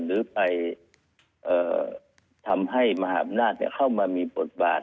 หรือไปทำให้มหาอำนาจเข้ามามีบทบาท